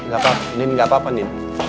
mas al lebih flow lagi